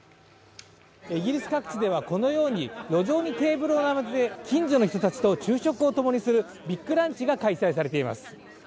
イギリス各地ではこのように路上にテーブルを並べて近所の人たちと昼食をともにする昼食を共にするビッグランチが開催されています。